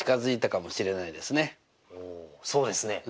おそうですね。